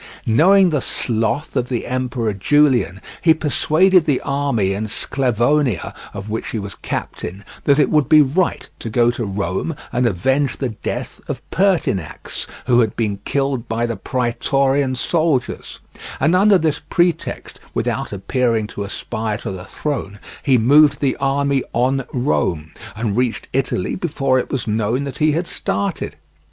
Knowing the sloth of the Emperor Julian, he persuaded the army in Sclavonia, of which he was captain, that it would be right to go to Rome and avenge the death of Pertinax, who had been killed by the praetorian soldiers; and under this pretext, without appearing to aspire to the throne, he moved the army on Rome, and reached Italy before it was known that he had started.